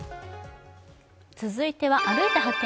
続いては、「歩いて発見！